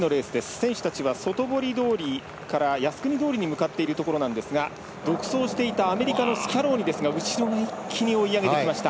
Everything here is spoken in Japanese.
選手たちは、外堀通りから靖国通りに向かっているところなんですが独走していたアメリカのスキャローニですが後ろが一気に追い上げてきました。